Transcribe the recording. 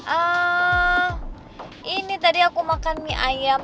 ah ini tadi aku makan mie ayam